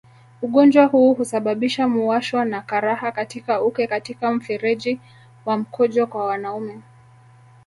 Ugonjwa huu husababisha muwasho na karaha katika uke katika mfereji wa mkojo kwa wanaume